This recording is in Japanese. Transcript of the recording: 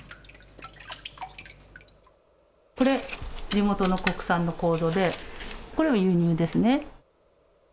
これ、地元の国産のこうぞでこれは輸入ですね。